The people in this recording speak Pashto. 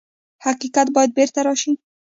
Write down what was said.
حقیقت باید بېرته راشي.